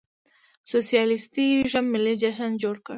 سوسیالېستي رژیم ملي جشن جوړ کړ.